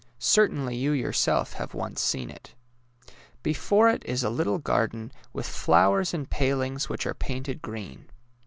Certainly you yourself have once seen it. Before it is a little garden with flowers and palings which are painted green.